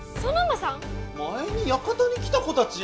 前にやかたに来た子たち